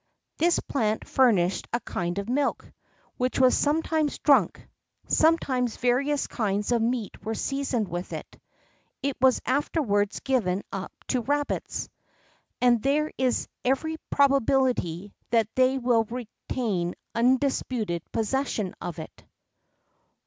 This plant furnished a kind of milk, which was sometimes drunk: sometimes various kinds of meat were seasoned with it.[X 7] It was afterwards given up to rabbits, and there is every probability that they will retain undisputed possession of it.